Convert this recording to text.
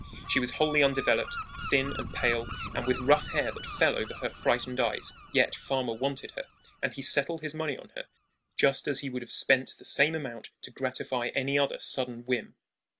She was wholly undeveloped thin and pale, and with rough hair that fell over her frightened eyes; yet Farmer wanted her, and he settled his money on her, just as he would have spent the same amount to gratify any other sudden whim.